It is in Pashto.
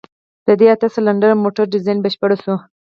د دې اته سلنډره موټر ډيزاين بشپړ شو.